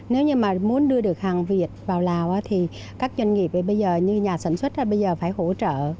nếu đưa được hàng việt vào lào thì các doanh nghiệp bây giờ như nhà sản xuất bây giờ phải hỗ trợ